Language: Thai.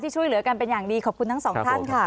ช่วยเหลือกันเป็นอย่างดีขอบคุณทั้งสองท่านค่ะ